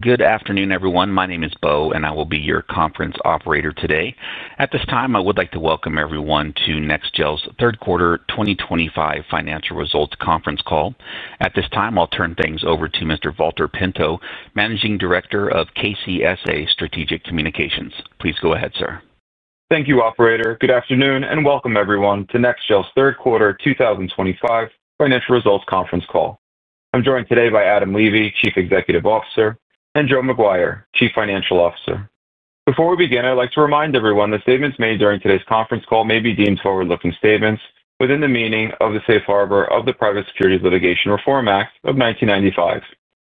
Good afternoon, everyone. My name is Bo, and I will be your conference operator today. At this time, I would like to welcome everyone to NEXGEL's third quarter 2025 financial results conference call. At this time, I'll turn things over to Mr. Valter Pinto, Managing Director of KCSA Strategic Communications. Please go ahead, sir. Thank you, Operator. Good afternoon, and welcome everyone to NEXGEL's third quarter 2025 financial results conference call. I'm joined today by Adam Levy, Chief Executive Officer, and Joe McGuire, Chief Financial Officer. Before we begin, I'd like to remind everyone that statements made during today's conference call may be deemed forward-looking statements within the meaning of the safe harbor of the Private Securities Litigation Reform Act of 1995.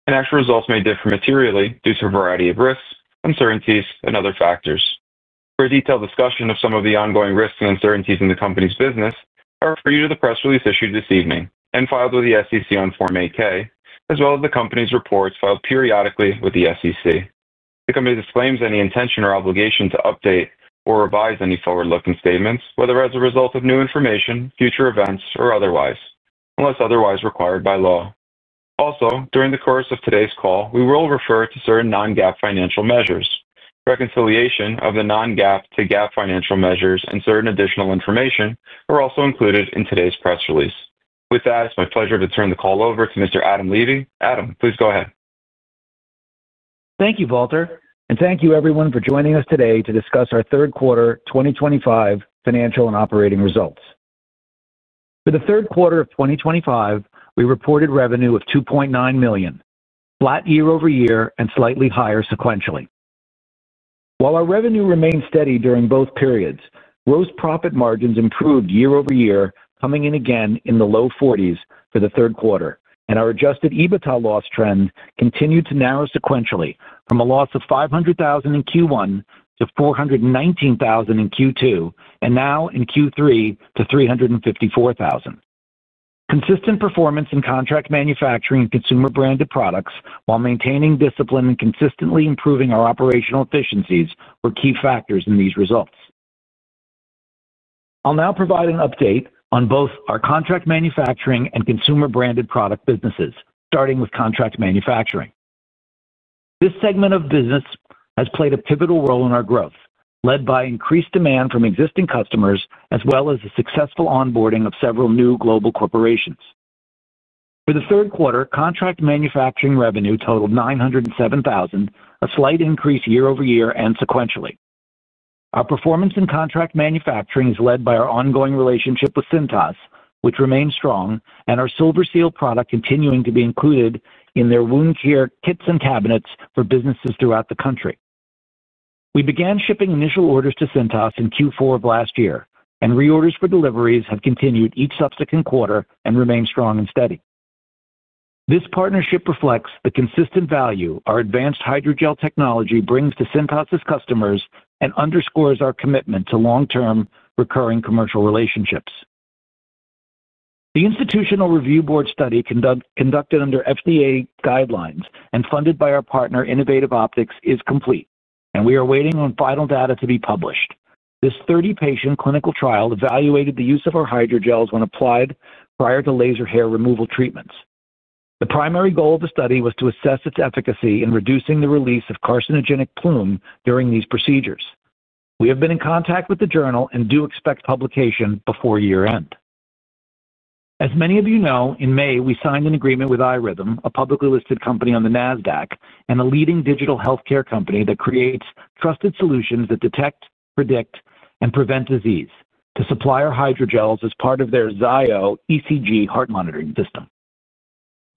Financial results may differ materially due to a variety of risks, uncertainties, and other factors. For a detailed discussion of some of the ongoing risks and uncertainties in the company's business, I refer you to the press release issued this evening and filed with the SEC on Form 8-K, as well as the company's reports filed periodically with the SEC. The company disclaims any intention or obligation to update or revise any forward-looking statements, whether as a result of new information, future events, or otherwise, unless otherwise required by law. Also, during the course of today's call, we will refer to certain non-GAAP financial measures. Reconciliation of the non-GAAP to GAAP financial measures and certain additional information are also included in today's press release. With that, it's my pleasure to turn the call over to Mr. Adam Levy. Adam, please go ahead. Thank you, Valter. Thank you, everyone, for joining us today to discuss our third quarter 2025 financial and operating results. For the third quarter of 2025, we reported revenue of $2.9 million, flat year-over-year and slightly higher sequentially. While our revenue remained steady during both periods, gross profit margins improved year-over-year, coming in again in the low 40% for the third quarter, and our adjusted EBITDA loss trend continued to narrow sequentially from a loss of $500,000 in Q1 to $419,000 in Q2, and now in Q3 to $354,000. Consistent performance in contract manufacturing and consumer-branded products, while maintaining discipline and consistently improving our operational efficiencies, were key factors in these results. I'll now provide an update on both our contract manufacturing and consumer-branded product businesses, starting with contract manufacturing. This segment of business has played a pivotal role in our growth, led by increased demand from existing customers as well as the successful onboarding of several new global corporations. For the third quarter, contract manufacturing revenue totaled $907,000, a slight increase year-over-year and sequentially. Our performance in contract manufacturing is led by our ongoing relationship with Cintas, which remains strong, and our Silver Seal product continuing to be included in their wound care kits and cabinets for businesses throughout the country. We began shipping initial orders to Cintas in Q4 of last year, and reorders for deliveries have continued each subsequent quarter and remain strong and steady. This partnership reflects the consistent value our advanced hydrogel technology brings to Cintas' customers and underscores our commitment to long-term recurring commercial relationships. The Institutional Review Board study conducted under FDA guidelines and funded by our partner, Innovative Optics, is complete, and we are waiting on final data to be published. This 30-patient clinical trial evaluated the use of our Hydrogels when applied prior to laser hair removal treatments. The primary goal of the study was to assess its efficacy in reducing the release of carcinogenic plume during these procedures. We have been in contact with the journal and do expect publication before year-end. As many of you know, in May, we signed an agreement with iRhythm, a publicly listed company on the NASDAQ and a leading digital healthcare company that creates trusted solutions that detect, predict, and prevent disease, to supply our Hydrogels as part of their ZIO ECG heart monitoring system.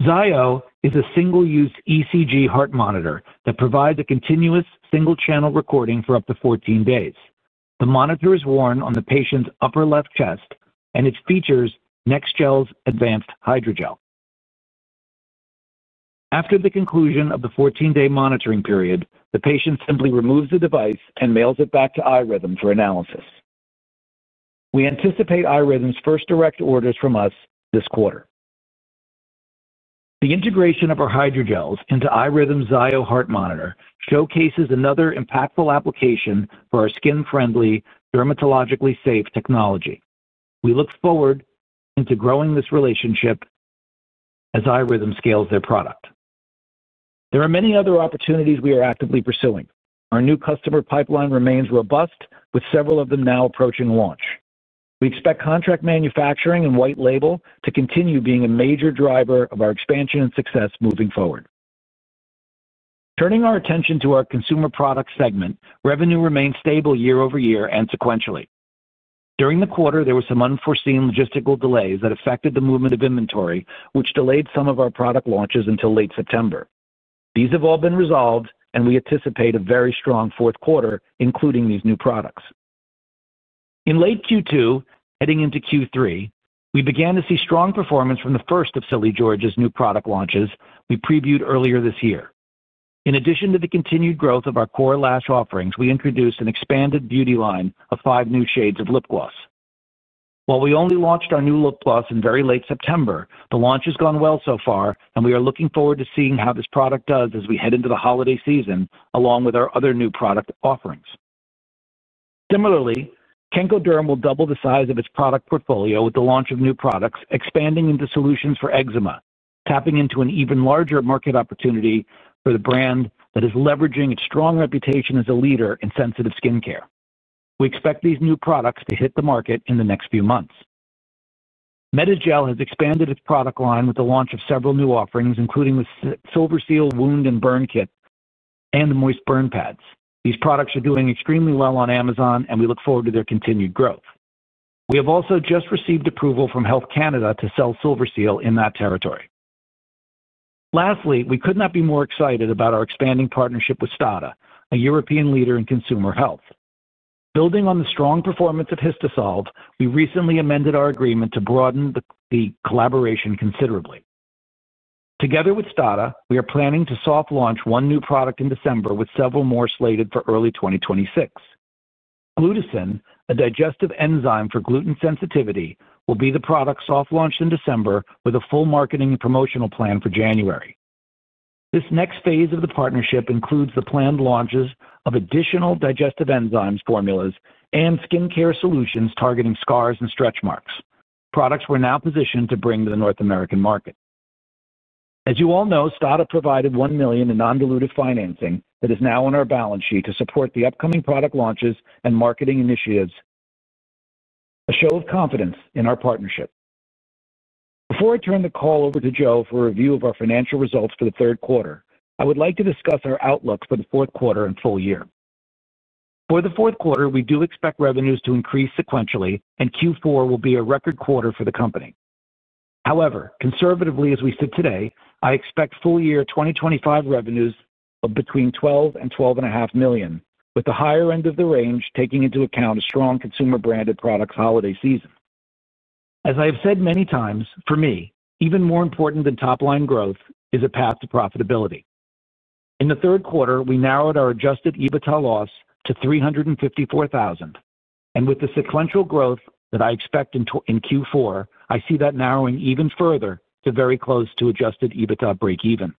ZIO is a single-use ECG heart monitor that provides a continuous single-channel recording for up to 14 days. The monitor is worn on the patient's upper left chest, and it features NEXGEL's advanced Hydrogel. After the conclusion of the 14-day monitoring period, the patient simply removes the device and mails it back to iRhythm for analysis. We anticipate iRhythm's first direct orders from us this quarter. The integration of our Hydrogels into iRhythm's ZIO heart monitor showcases another impactful application for our skin-friendly, dermatologically safe technology. We look forward to growing this relationship as iRhythm scales their product. There are many other opportunities we are actively pursuing. Our new customer pipeline remains robust, with several of them now approaching launch. We expect contract manufacturing and white label to continue being a major driver of our expansion and success moving forward. Turning our attention to our consumer product segment, revenue remained stable year over year and sequentially. During the quarter, there were some unforeseen logistical delays that affected the movement of inventory, which delayed some of our product launches until late September. These have all been resolved, and we anticipate a very strong fourth quarter, including these new products. In late Q2, heading into Q3, we began to see strong performance from the first of Silly George's new product launches we previewed earlier this year. In addition to the continued growth of our core lash offerings, we introduced an expanded beauty line of five new shades of lip gloss. While we only launched our new lip gloss in very late September, the launch has gone well so far, and we are looking forward to seeing how this product does as we head into the holiday season along with our other new product offerings. Similarly, Kenkoderm will double the size of its product portfolio with the launch of new products, expanding into solutions for eczema, tapping into an even larger market opportunity for the brand that is leveraging its strong reputation as a leader in sensitive skincare. We expect these new products to hit the market in the next few months. Metagel has expanded its product line with the launch of several new offerings, including the Silver Seal Wound and Burn Kit and the Moist Burn Pads. These products are doing extremely well on Amazon, and we look forward to their continued growth. We have also just received approval from Health Canada to sell Silver Seal in that territory. Lastly, we could not be more excited about our expanding partnership with STADA, a European leader in consumer health. Building on the strong performance of Histosolve, we recently amended our agreement to broaden the collaboration considerably. Together with STADA, we are planning to soft launch one new product in December, with several more slated for early 2026. Glutathione, a digestive enzyme for gluten sensitivity, will be the product soft launched in December, with a full marketing and promotional plan for January. This next phase of the partnership includes the planned launches of additional digestive enzyme formulas and skincare solutions targeting scars and stretch marks. Products we are now positioned to bring to the North American market. As you all know, STADA provided $1 million in non-dilutive financing that is now on our balance sheet to support the upcoming product launches and marketing initiatives, a show of confidence in our partnership. Before I turn the call over to Joe for a review of our financial results for the third quarter, I would like to discuss our outlook for the fourth quarter and full year. For the fourth quarter, we do expect revenues to increase sequentially, and Q4 will be a record quarter for the company. However, conservatively as we sit today, I expect full year 2025 revenues of between $12 million-$12.5 million, with the higher end of the range taking into account a strong consumer-branded products holiday season. As I have said many times, for me, even more important than top-line growth is a path to profitability. In the third quarter, we narrowed our adjusted EBITDA loss to $354,000, and with the sequential growth that I expect in Q4, I see that narrowing even further to very close to adjusted EBITDA break-even.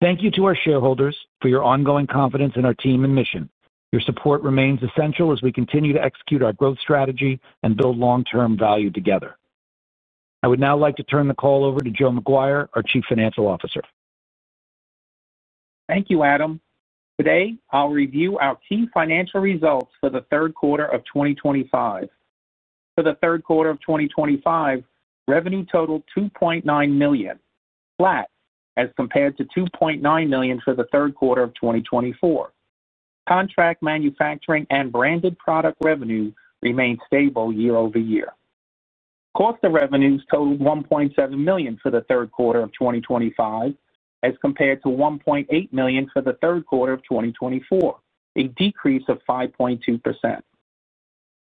Thank you to our shareholders for your ongoing confidence in our team and mission. Your support remains essential as we continue to execute our growth strategy and build long-term value together. I would now like to turn the call over to Joe McGuire, our Chief Financial Officer. Thank you, Adam. Today, I'll review our key financial results for the third quarter of 2025. For the third quarter of 2025, revenue totaled $2.9 million, flat as compared to $2.9 million for the third quarter of 2024. Contract manufacturing and branded product revenue remained stable year over year. Cost of revenues totaled $1.7 million for the third quarter of 2025 as compared to $1.8 million for the third quarter of 2024, a decrease of 5.2%.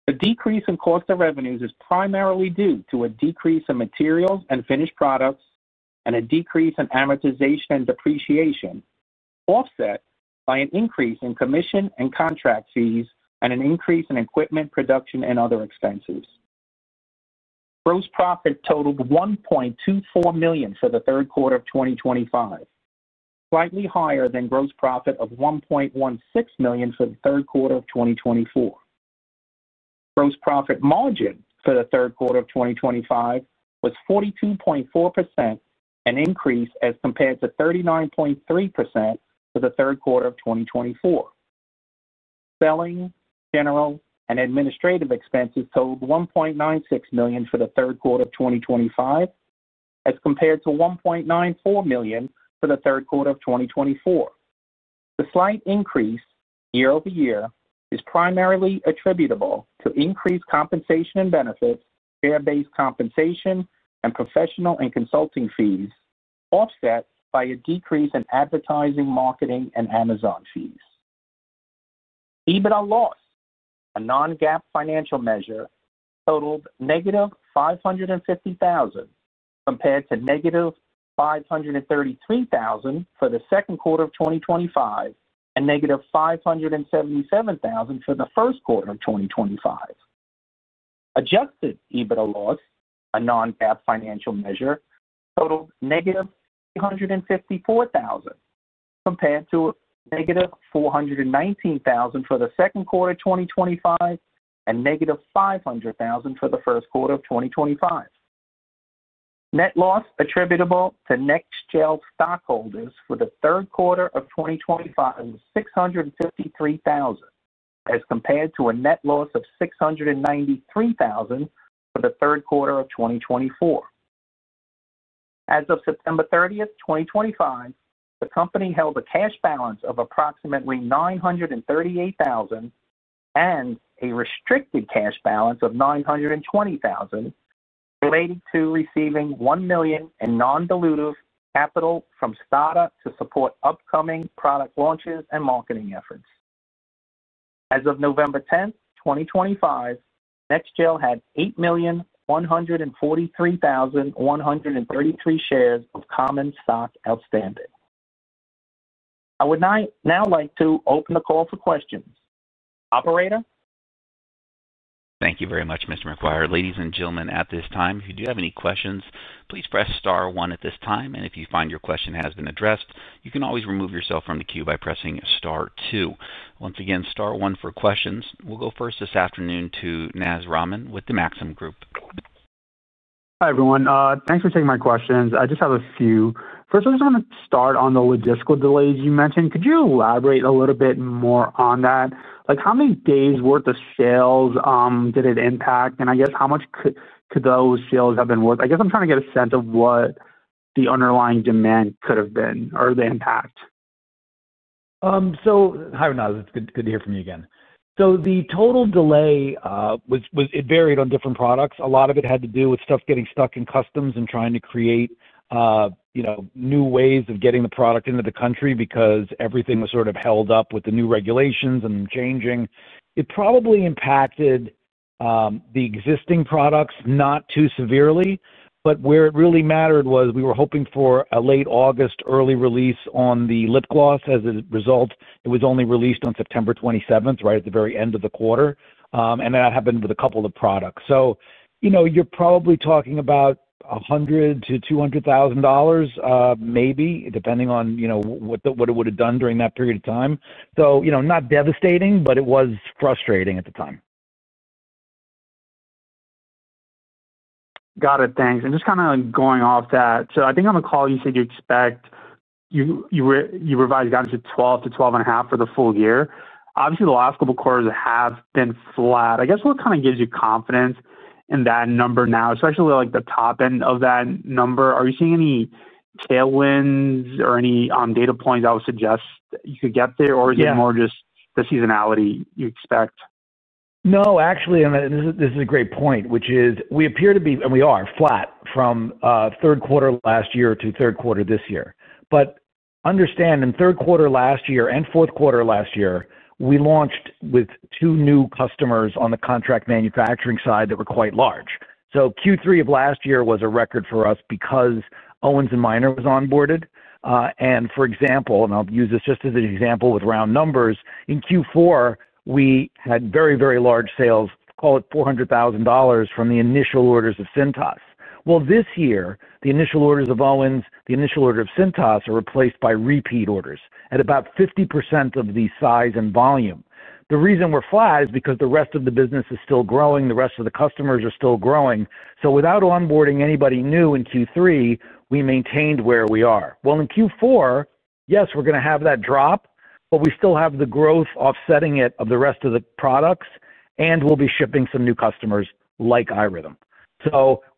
The decrease in cost of revenues is primarily due to a decrease in materials and finished products and a decrease in amortization and depreciation, offset by an increase in commission and contract fees and an increase in equipment production and other expenses. Gross profit totaled $1.24 million for the third quarter of 2025, slightly higher than gross profit of $1.16 million for the third quarter of 2024. Gross profit margin for the third quarter of 2025 was 42.4%, an increase as compared to 39.3% for the third quarter of 2024. Selling, general, and administrative expenses totaled $1.96 million for the third quarter of 2025 as compared to $1.94 million for the third quarter of 2024. The slight increase year over year is primarily attributable to increased compensation and benefits, fair-based compensation, and professional and consulting fees, offset by a decrease in advertising, marketing, and Amazon fees. EBITDA loss, a non-GAAP financial measure, totaled -$550,000 compared to -$533,000 for the second quarter of 2025 and -$577,000 for the first quarter of 2025. Adjusted EBITDA loss, a non-GAAP financial measure, totaled -$354,000 compared to -$419,000 for the second quarter of 2025 and -$500,000 for the first quarter of 2025. Net loss attributable to NEXGEL stockholders for the third quarter of 2025 was $653,000 as compared to a net loss of $693,000 for the third quarter of 2024. As of September 30, 2025, the company held a cash balance of approximately $938,000 and a restricted cash balance of $920,000, related to receiving $1 million in non-dilutive capital from STADA to support upcoming product launches and marketing efforts. As of November 10, 2025, NEXGEL had 8,143,133 shares of common stock outstanding. I would now like to open the call for questions. Operator? Thank you very much, Mr. McGuire. Ladies and gentlemen, at this time, if you do have any questions, please press star one at this time. If you find your question has been addressed, you can always remove yourself from the queue by pressing star two. Once again, star one for questions. We'll go first this afternoon to Naz Rahman with the Maxim Group. Hi, everyone. Thanks for taking my questions. I just have a few. First, I just want to start on the logistical delays you mentioned. Could you elaborate a little bit more on that? How many days' worth of sales did it impact? I guess, how much could those sales have been worth? I guess I'm trying to get a sense of what the underlying demand could have been or the impact. Hi Rahman. It's good to hear from you again. The total delay varied on different products. A lot of it had to do with stuff getting stuck in customs and trying to create new ways of getting the product into the country because everything was sort of held up with the new regulations and changing. It probably impacted the existing products not too severely, but where it really mattered was we were hoping for a late August, early release on the lip gloss. As a result, it was only released on September 27, right at the very end of the quarter, and that happened with a couple of products. You're probably talking about $100,000-$200,000, maybe, depending on what it would have done during that period of time. Not devastating, but it was frustrating at the time. Got it. Thanks. Just kind of going off that, I think on the call you said you revised down to $12 million-$12.5 million for the full year. Obviously, the last couple of quarters have been flat. I guess what kind of gives you confidence in that number now, especially the top end of that number? Are you seeing any tailwinds or any data points that would suggest you could get there, or is it more just the seasonality you expect? No, actually, and this is a great point, which is we appear to be—and we are—flat from third quarter last year to third quarter this year. But understand, in third quarter last year and fourth quarter last year, we launched with two new customers on the contract manufacturing side that were quite large. So Q3 of last year was a record for us because Owens & Minor was onboarded. And for example, and I'll use this just as an example with round numbers, in Q4, we had very, very large sales, call it $400,000, from the initial orders of Cintas. Well, this year, the initial orders of Owens, the initial order of Cintas are replaced by repeat orders at about 50% of the size and volume. The reason we're flat is because the rest of the business is still growing, the rest of the customers are still growing. Without onboarding anybody new in Q3, we maintained where we are. In Q4, yes, we're going to have that drop, but we still have the growth offsetting it of the rest of the products, and we'll be shipping some new customers like iRhythm.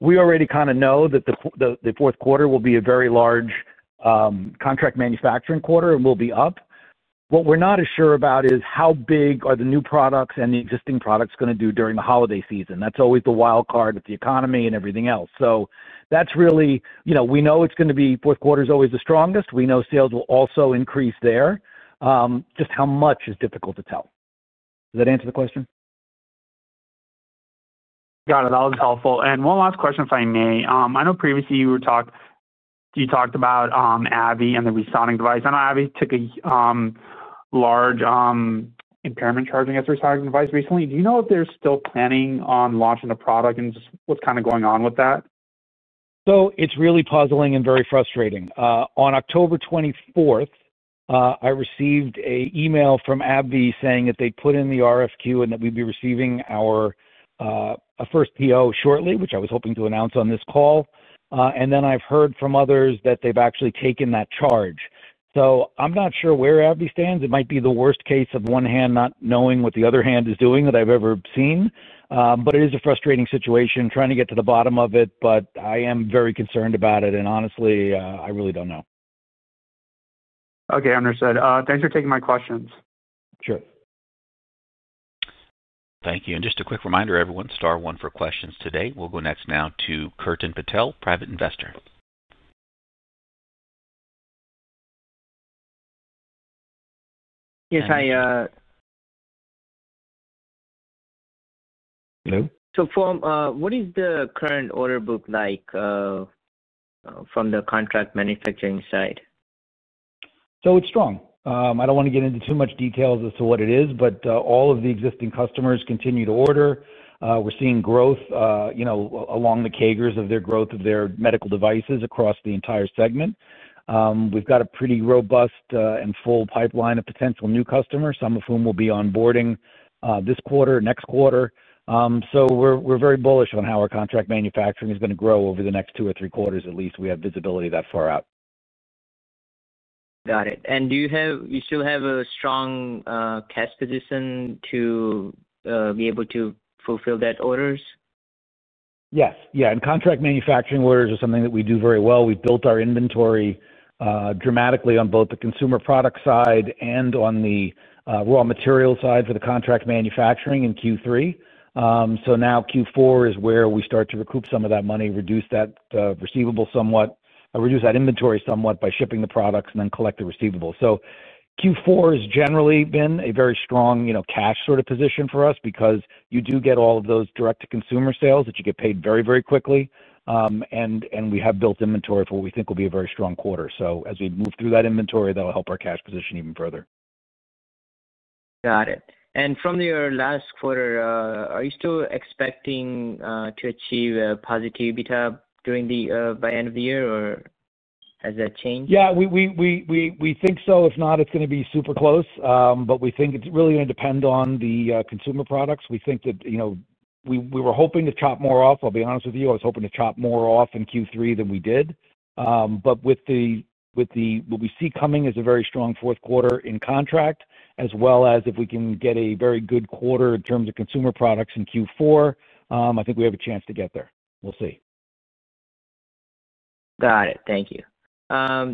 We already kind of know that the fourth quarter will be a very large contract manufacturing quarter, and we'll be up. What we're not as sure about is how big are the new products and the existing products going to do during the holiday season. That's always the wild card of the economy and everything else. That's really—we know it's going to be fourth quarter is always the strongest. We know sales will also increase there. Just how much is difficult to tell. Does that answer the question? Got it. That was helpful. One last question, if I may. I know previously you talked about AbbVie and the ReSonic device. I know AbbVie took a large impairment charge against the ReSonic device recently. Do you know if they're still planning on launching a product and just what's kind of going on with that? It is really puzzling and very frustrating. On October 24, I received an email from AbbVie saying that they'd put in the RFQ and that we'd be receiving our first PO shortly, which I was hoping to announce on this call. Then I've heard from others that they've actually taken that charge. I am not sure where AbbVie stands. It might be the worst case of one hand not knowing what the other hand is doing that I've ever seen. It is a frustrating situation, trying to get to the bottom of it, and I am very concerned about it. Honestly, I really do not know. Okay. Understood. Thanks for taking my questions. Sure. Thank you. Just a quick reminder, everyone, star one for questions today. We'll go next now to Krutin Patel, private investor. Yes, hi. Hello? What is the current order book like from the contract manufacturing side? It's strong. I don't want to get into too much detail as to what it is, but all of the existing customers continue to order. We're seeing growth along the contours of their growth of their medical devices across the entire segment. We've got a pretty robust and full pipeline of potential new customers, some of whom we'll be onboarding this quarter, next quarter. We're very bullish on how our contract manufacturing is going to grow over the next two or three quarters, at least. We have visibility that far out. Got it. Do you still have a strong cash position to be able to fulfill that orders? Yes. Yeah. Contract manufacturing orders are something that we do very well. We've built our inventory dramatically on both the consumer product side and on the raw material side for the contract manufacturing in Q3. Q4 is where we start to recoup some of that money, reduce that inventory somewhat by shipping the products and then collect the receivables. Q4 has generally been a very strong cash sort of position for us because you do get all of those direct-to-consumer sales that you get paid very, very quickly. We have built inventory for what we think will be a very strong quarter. As we move through that inventory, that'll help our cash position even further. Got it. From your last quarter, are you still expecting to achieve a positive EBITDA by end of the year, or has that changed? Yeah. We think so. If not, it's going to be super close. We think it's really going to depend on the consumer products. We think that we were hoping to chop more off. I'll be honest with you, I was hoping to chop more off in Q3 than we did. With what we see coming is a very strong fourth quarter in contract, as well as if we can get a very good quarter in terms of consumer products in Q4, I think we have a chance to get there. We'll see. Got it. Thank you. That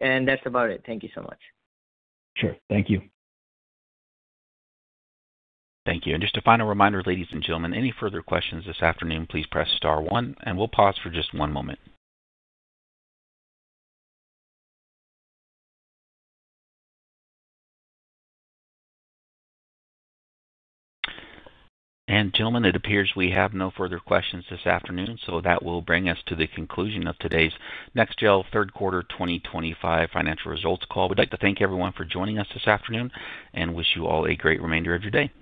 is about it. Thank you so much. Sure. Thank you. Thank you. And just a final reminder, ladies and gentlemen, any further questions this afternoon, please press star one. We'll pause for just one moment. Gentlemen, it appears we have no further questions this afternoon, so that will bring us to the conclusion of today's NEXGEL third quarter 2025 financial results call. We'd like to thank everyone for joining us this afternoon and wish you all a great remainder of your day.